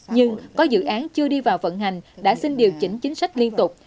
nhưng có dự án chưa đi vào vận hành đã xin điều chỉnh chính sách liên tục